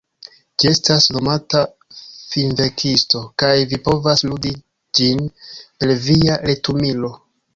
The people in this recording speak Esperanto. Ĝi estas nomata Finvenkisto kaj vi povas ludi ĝin per via retumilo.